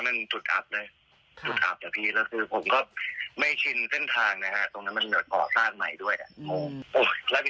อ๋ออันนี้คือเคลียร์กันในรายการจบไปแล้วป่าวฮะ